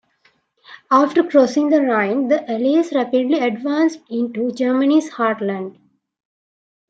After crossing the Rhine, the Allies rapidly advanced into Germany's heartland.